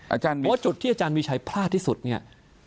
ว่าจุดที่อาจารย์มีชัยพลาดที่สุดเนี่ย